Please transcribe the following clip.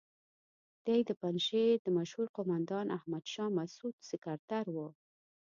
دی د پنجشیر د مشهور قوماندان احمد شاه مسعود سکرتر وو.